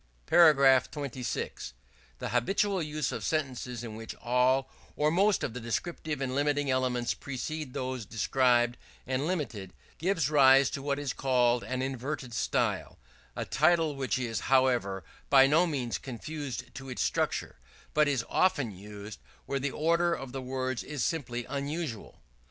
§ 26. The habitual use of sentences in which all or most of the descriptive and limiting elements precede those described and limited, gives rise to what is called the inverted style: a title which is, however, by no means confined to this structure, but is often used where the order of the words is simply unusual.